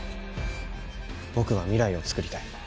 僕は未来をつくりたい。